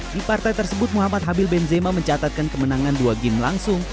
di partai tersebut muhammad habil benzema mencatatkan kemenangan dua game langsung